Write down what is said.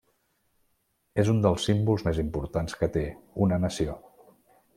És un dels símbols més importants que té una nació.